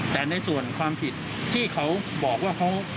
แต่ในส่วนความผิดที่เขาบอกว่าเขา